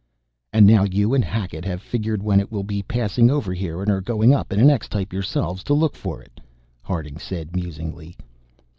"And now you and Hackett have figured when it will be passing over here and are going up in an X type yourselves to look for it," Harding said musingly.